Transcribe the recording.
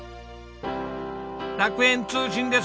楽園通信です。